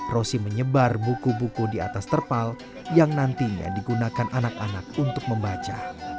rosi menyebar buku buku di atas terpal yang nantinya digunakan anak anak untuk membaca